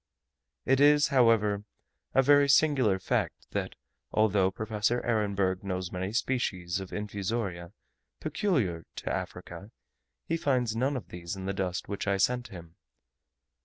It is, however, a very singular fact, that, although Professor Ehrenberg knows many species of infusoria peculiar to Africa, he finds none of these in the dust which I sent him.